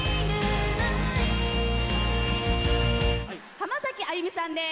浜崎あゆみさんです。